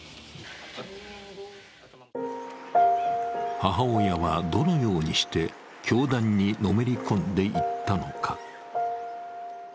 母親はどのようにして教団にのめり込んでいったのか。